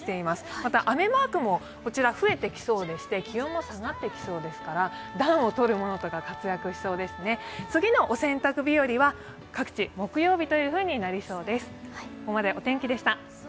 また雨マークも増えてきそうでして、気温も下がってきそうですから、暖をとるものとかが活躍しそうですね、次のお洗濯日和は各地、木曜日となりそうです。